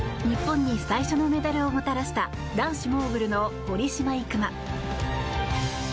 日本に最初のメダルをもたらした男子モーグルの堀島行真。